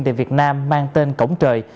từ việt nam mang tên cổng trời